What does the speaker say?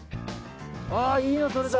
あいいの採れた。